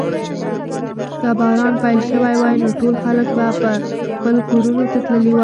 که باران پیل شوی وای نو ټول خلک به خپلو کورونو ته تللي وای.